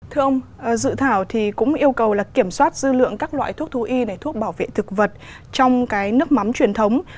thưa ông dự thảo thì cũng yêu cầu kiểm soát dư lượng các loại thuốc thu y thuốc bảo vệ thực vật trong cái nước mắm truyền thống